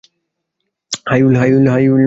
High, will.